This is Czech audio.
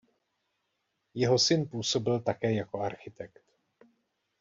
Jeho syn působil také jako architekt.